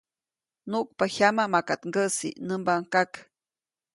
‒nuʼkpa jyama, ¡maka ŋgäʼsi!‒ nämbaʼuŋ kak.